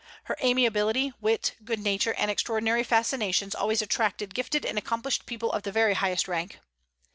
Her amiability, wit, good nature, and extraordinary fascinations always attracted gifted and accomplished people of the very highest rank.